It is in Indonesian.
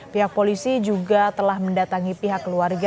pihak polisi juga telah mendatangi pihak keluarga